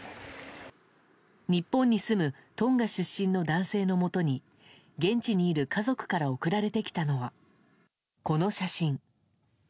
日本に住むトンガ出身の男性のもとに現地にいる家族から送られてきたのはこの写真。